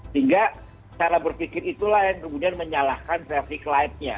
sehingga cara berpikir itulah yang kemudian menyalahkan traffic light nya